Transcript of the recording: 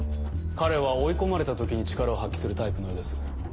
彼は追い込まれた時に力を発揮するタイプのようです。